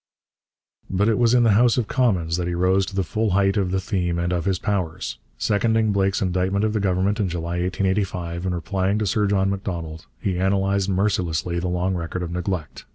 But it was in the House of Commons that he rose to the full height of the theme and of his powers. Seconding Blake's indictment of the Government in July 1885, and replying to Sir John Macdonald, he analysed mercilessly the long record of neglect.